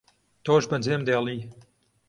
تۆش بەجێم دێڵی